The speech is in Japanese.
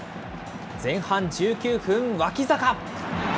前半１９分、脇坂。